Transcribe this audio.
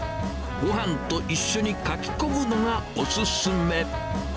ごはんと一緒にかき込むのがお勧め。